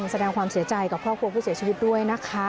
แสดงความเสียใจกับครอบครัวผู้เสียชีวิตด้วยนะคะ